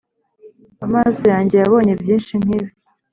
Amaso yanjye yabonye byinshi nk’ibi,